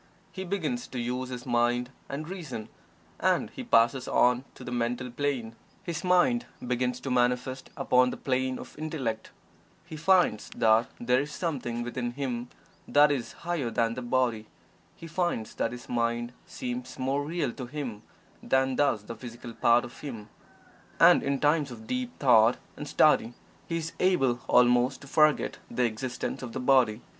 He begins to use his mind and reason, and he passes on to the Mental Plane his mind begins to manifest upon the plane of Intellect. He finds that there is something within him that is higher than the body. He finds that his mind seems more real to him than does the physical part of him, and in times of deep thought and study he is able almost to forget the existence of the body.